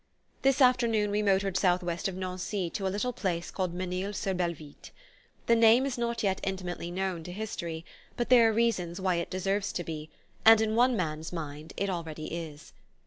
This afternoon we motored southwest of Nancy to a little place called Menil sur Belvitte. The name is not yet intimately known to history, but there are reasons why it deserves to be, and in one man's mind it already is.